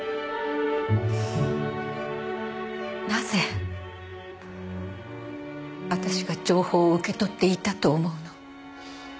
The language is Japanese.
なぜ私が情報を受け取っていたと思うの？